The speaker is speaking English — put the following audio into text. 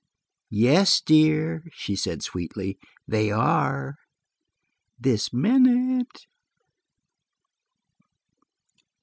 "Yes, dear," she said sweetly. "They are, this minute."